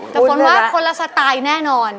แต่ฝนว่าคนละสไตล์แน่นอน